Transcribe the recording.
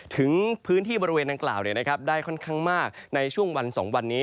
ถึงพื้นที่บริเวณดังกล่าวได้ค่อนข้างมากในช่วงวัน๒วันนี้